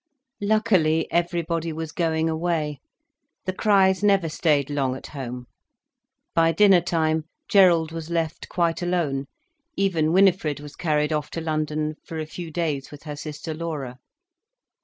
Luckily everybody was going away. The Criches never stayed long at home. By dinner time, Gerald was left quite alone. Even Winifred was carried off to London, for a few days with her sister Laura.